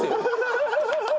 ハハハハ！